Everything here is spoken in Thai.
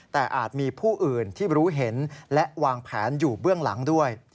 แต่อาจมีผู้อื่นที่รู้เห็นและวางแผนอยู่เบื้องหลังด้วย